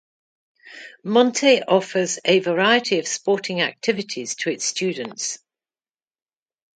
Monte offers a variety of sporting activities to its students.